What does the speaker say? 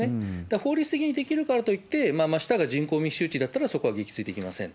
法律的にできるからといって、真下が人口密集地だったらそこは撃墜できませんと。